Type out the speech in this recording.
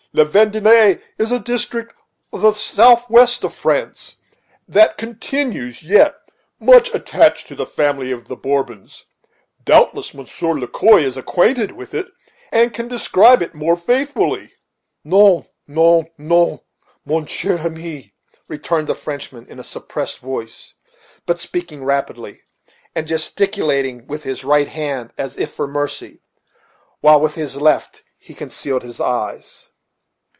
La Vendée is a district in the southwest of France, that continues yet much attached to the family of the Bourbons; doubtless Monsieur Le Quoi is acquainted with it, and can describe it more faithfully." "Non, non, non, mon cher ami," returned the Frenchman in a suppressed voice, but speaking rapidly, and gesticulating with his right hand, as if for mercy, while with his left he concealed his eyes.